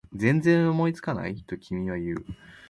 全然思いつかない？と君は言う